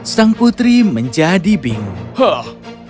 sang putri menjadi bingung